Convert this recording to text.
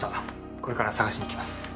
これから捜しに行きます。